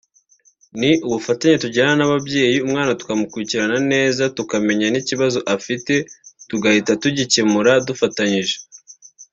ni ubufatanye tugirana n’ababyeyi umwana tukamukurikirana neza tukamenya n’ikibazo afite tugahita tugikemura dufatanyije